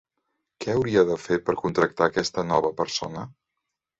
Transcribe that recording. Què hauria de fer per contractar aquesta nova persona?